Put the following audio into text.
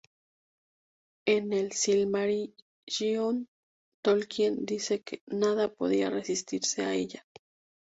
En "El Silmarillion", Tolkien dice que ""nada podía resistirse"" a ella.